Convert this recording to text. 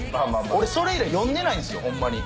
俺それ以来読んでないんですよホンマに。